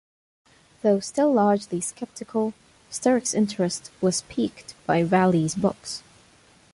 Though still largely sceptical, Sturrock's interest was piqued by Vallee's books.